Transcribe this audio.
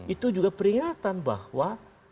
itu juga peringatan bahwa